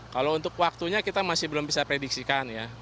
kalau untuk waktunya kita masih belum bisa prediksikan ya